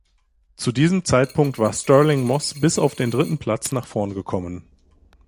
Zu diesem Zeitpunkt war Stirling Moss bis auf den dritten Platz nach vorn gekommen.